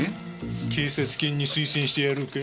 警察犬に推薦してやろうか？